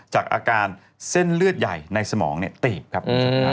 จากอาการเส้นเลือดใหญ่ในสมองตีบครับ